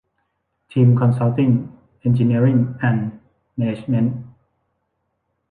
ทีม คอนซัลติ้ง เอนจิเนียริ่ง แอนด์ แมเนจเมนท์